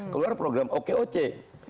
keluar program oke oke